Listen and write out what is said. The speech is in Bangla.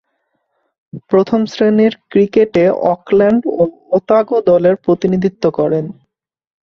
প্রথম-শ্রেণীর ক্রিকেটে অকল্যান্ড ও ওতাগো দলের প্রতিনিধিত্ব করেন।